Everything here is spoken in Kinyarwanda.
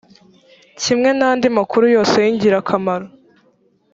kimwe n’andi makuru yose y’ingirakamaro